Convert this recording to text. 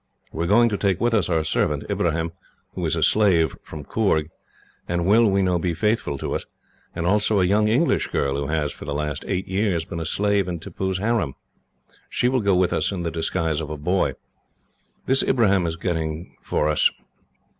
We are going to take with us our servant, Ibrahim, who is a slave from Coorg; and will, we know, be faithful to us; and also a young English girl who has, for eight years, been a slave in Tippoo's harem. She will go with us in the disguise of a boy. This Ibrahim is getting for us.